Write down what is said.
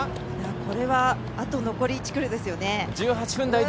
これはあと残り１ｋｍですよね。